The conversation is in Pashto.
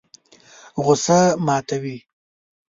غوسه ماتوي.